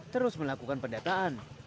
terus melakukan pendataan